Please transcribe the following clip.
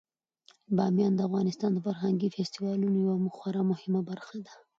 بامیان د افغانستان د فرهنګي فستیوالونو یوه خورا مهمه برخه ده.